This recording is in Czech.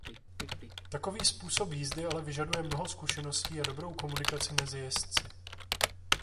Takový způsob jízdy ale vyžaduje mnoho zkušeností a dobrou komunikaci mezi jezdci.